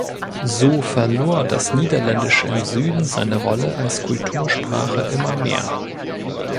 So verlor das Niederländische im Süden seine Rolle als Kultursprache immer mehr.